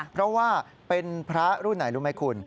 เพราะว่าเป็นพระรุ่นไหนรู้ไหมคุณ